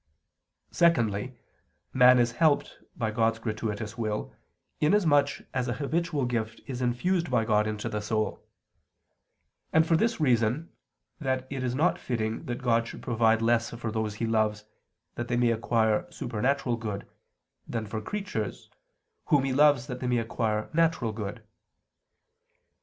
Secondly, man is helped by God's gratuitous will, inasmuch as a habitual gift is infused by God into the soul; and for this reason, that it is not fitting that God should provide less for those He loves, that they may acquire supernatural good, than for creatures, whom He loves that they may acquire natural good.